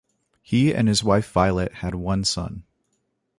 He and his wife Violet had one son.